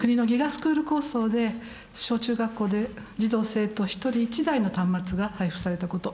スクール構想で小中学校で児童生徒１人１台の端末が配付されたこと。